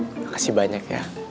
makasih banyak ya